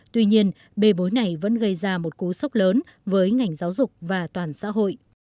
tuy nhiên bề bối này vẫn gây ra một cú sốc lớn với ngành giáo dục và toàn xã hội